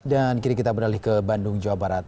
dan kiri kita beralih ke bandung jawa barat